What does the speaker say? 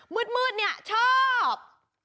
มืดมืดเนี่ยชอบ